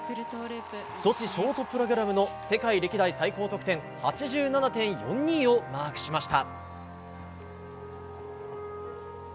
女子ショートプログラムの世界歴代最高得点８７．４２をマークしました。